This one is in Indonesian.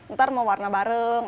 ntar mewarna bareng